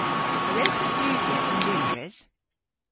A wre'ta studhya yn Loundres?